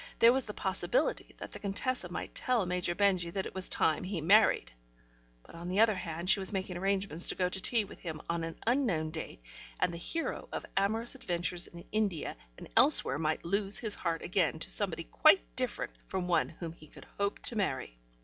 There was the possibility that the Contessa might tell Major Benjy that it was time he married, but on the other hand she was making arrangements to go to tea with him on an unknown date, and the hero of amorous adventures in India and elsewhere might lose his heart again to somebody quite different from one whom he could hope to marry.